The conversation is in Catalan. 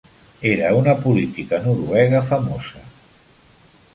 Era una política noruega famosa.